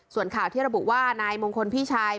ส่วนข่าวที่ระบุว่านายมงคลพี่ชาย